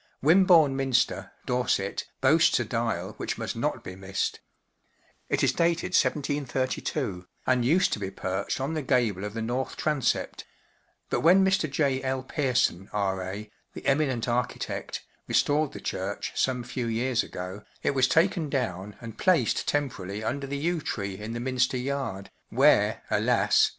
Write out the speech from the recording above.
Wimborne Minster, Dorset, boasts a dial which must not be missed* It is dated 1732, and used to be perched on the gable of the north transept; but when Mr, J. L, Pearson, R,A*, the eminent architect, restored the church some few years ago, it was taken down and placed tem¬ pt jrarily under the yew tree in the Minster yard, where, alas!